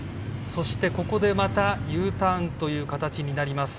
そして、ここでまたＵターンという形になります。